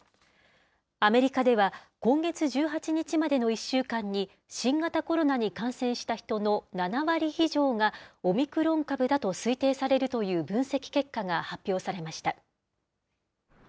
アメリカでは今月１８日までの１週間に新型コロナに感染した人の７割以上が、オミクロン株だと推定されるという分析結果が発表されました。